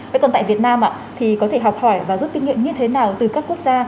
với còn tại việt nam thì có thể học hỏi và giúp kinh nghiệm như thế nào từ các quốc gia